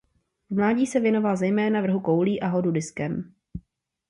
V mládí se věnovala zejména vrhu koulí a hodu diskem.